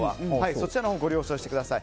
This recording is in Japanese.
そちらのほうご了承ください。